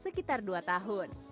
sekitar dua tahun